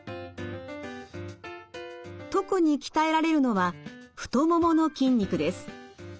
特に鍛えられるのは太ももの筋肉です。